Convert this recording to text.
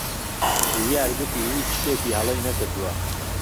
ژیار گوتی هیچ شتێکی هەڵەی نەکردووە.